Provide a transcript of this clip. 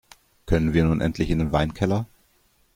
Können wir nun endlich in den Weinkeller?